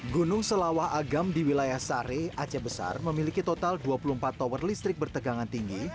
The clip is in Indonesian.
gunung selawah agam di wilayah sare aceh besar memiliki total dua puluh empat tower listrik bertegangan tinggi